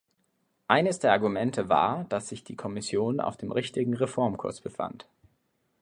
Eines der Argumente war, dass sich die Kommission auf dem richtigen Reformkurs befand.